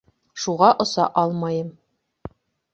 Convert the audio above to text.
Шуға оса алмайым.